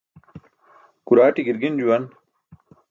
Kuraaṭi gi̇rgin juwan.